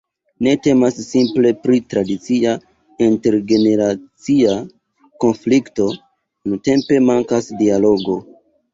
Ne temas simple pri tradicia intergeneracia konflikto: nuntempe mankas dialogo.